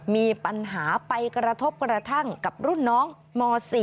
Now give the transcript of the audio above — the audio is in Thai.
มีปัญหาไปกระทบกระทั่งกับรุ่นน้องม๔